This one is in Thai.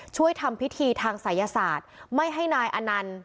ช่วยทำพิธีทางศัยศาสตร์ไม่ให้นายอนันต์